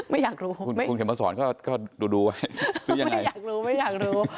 ไม่อยากรู้คุณเข็มพระสอนก็ดูดูไว้ไม่อยากรู้ไม่อยากรู้